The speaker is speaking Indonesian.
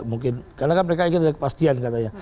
mungkin karena mereka ingin kepastian katanya